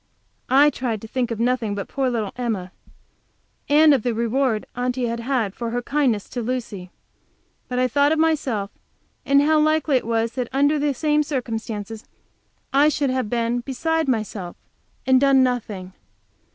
I tried to think of nothing but poor little Emma, and of the reward Aunty had had for her kindness to Lucy. But I thought of myself, and how likely it was that under the same circumstances I should have been beside myself, and done nothing.